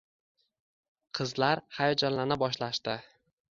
Qizlar hayajonlana boshlashdi